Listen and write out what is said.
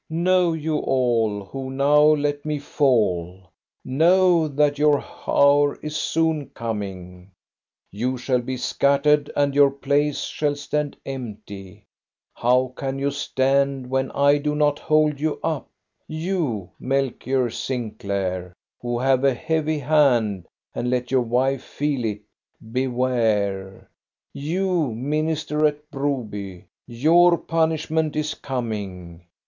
"Know you all, who now let me fall, know that your hour is soon coming ! You shall be scattered, and your place shall stand empty. How can you stand when I do not hold you up? You, Melchior Sinclair, who have a heavy hand and let your wife feel it, beware! You, minister at Broby, your pun ishment is coming!